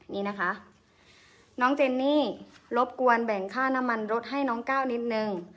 นี่นะคะน้องเจนนี่รบกวนแบ่งค่าน้ำมันรถให้น้องก้าวนิดนึง